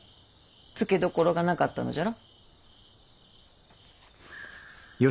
つけどころがなかったのじゃろ。